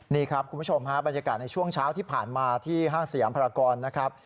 นี่ครับคุณผู้ชมฮะบรรยากาศในช่วงเช้าที่ผ่านมาที่ห้างสยามพรากรนะครับ